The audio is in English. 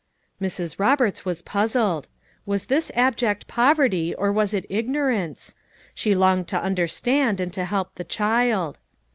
Mrs. Roberts was puzzled. Was this abject poverty, or was it ignorance? She longed to understand, and to help the child.